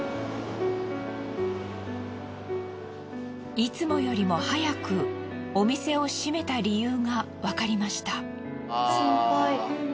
いつもよりも早くお店を閉めた理由がわかりました。